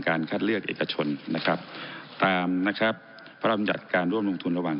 คัดเลือกเอกชนนะครับตามนะครับพระรำยัติการร่วมลงทุนระหว่าง